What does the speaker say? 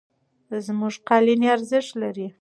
زموږ قالینې ارزښت لري.